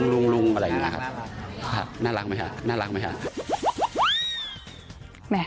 ลุงอะไรอย่างนี้ครับน่ารักไหมครับ